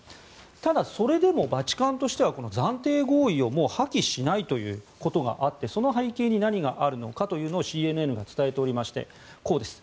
ただ、それでもバチカンとしてはこの暫定合意を破棄しないということがあってその背景に何があるのかというのをＣＮＮが伝えておりましてこうです。